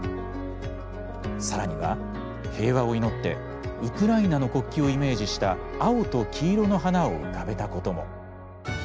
更には平和を祈ってウクライナの国旗をイメージした青と黄色の花を浮かべたことも！